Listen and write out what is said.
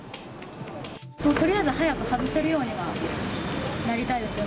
とりあえず早く外せるようにはなりたいですよ。